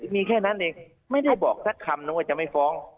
มีแค่นั้นเองไม่ได้บอกสักคำนึงว่าจะไม่ฟ้อง